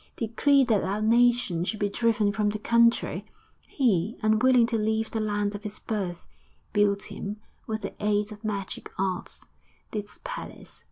decreed that our nation should be driven from the country, he, unwilling to leave the land of his birth, built him, with the aid of magic arts, this palace.